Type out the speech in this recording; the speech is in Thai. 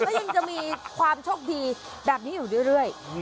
ยังจะมีความโชคดีแบบนี้อยู่เรื่อย